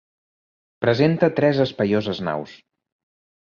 Presenta tres espaioses naus.